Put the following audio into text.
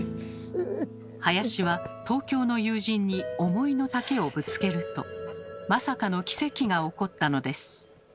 林は東京の友人に思いのたけをぶつけるとまさかの奇跡が起こったのです。